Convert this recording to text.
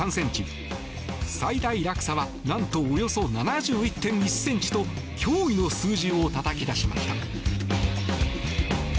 最大落差はなんと、およそ７１．１ｃｍと驚異の数字をたたき出しました。